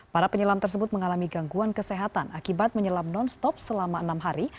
para penyelam tersebut mengalami gangguan kesehatan akibat menyelam non stop selama enam hari